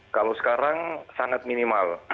kalau sekarang sangat minimal